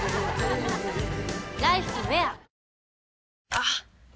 あっ！